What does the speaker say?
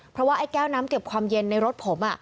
เพราะว่าไอ้แก้วน้ำเก็บความเย็นในรถผม